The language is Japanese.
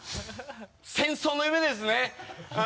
戦争の夢ですね。